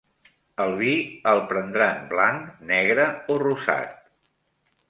El vi, el prendran blanc, negre o rosat?